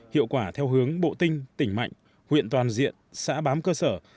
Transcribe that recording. hiệu quả theo hướng bộ tinh tỉnh mạnh huyện toàn diện xã bám cơ sở